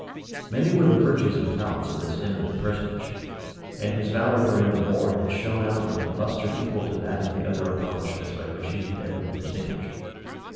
Many were the virtues and talents of this eminent personage; and his valor during the war had shone out with a lustre equal to that of the other accomplishments by which he had ever been distinguished.